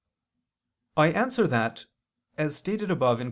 I answer that, as stated above (Q.